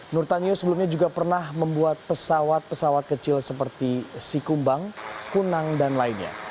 nurtanio sebelumnya juga pernah membuat pesawat pesawat kecil seperti sikumbang kunang dan lainnya